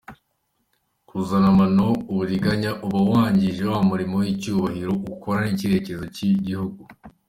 Kuzanamamo uburiganya, uba wangije wa murimo w’icyubahiro ukora n’icyerekezo cy’igihugu.